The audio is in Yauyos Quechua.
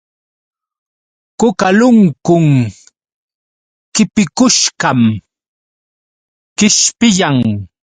Kukalunkun qipikushqam qishpiyan.